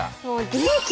元気。